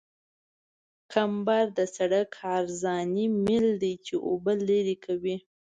کمبر د سرک عرضاني میل دی چې اوبه لرې کوي